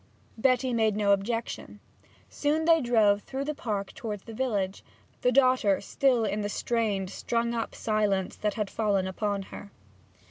Betty made no objection. Soon they drove through the park towards the village, the daughter still in the strained, strung up silence that had fallen upon her.